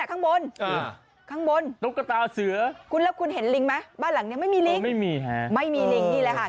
ข้างบนคุณลับคุณเห็นลิงไหมบ้านหลังนี้ไม่มีลิงไม่มีลิงนี่แหละค่ะ